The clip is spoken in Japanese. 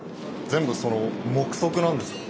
全部その目測なんですか？